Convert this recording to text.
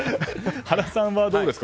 原さんはどうですか？